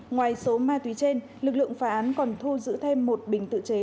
ngoài số ma túy trên lực lượng phá án còn thu giữ thêm một bình tự chế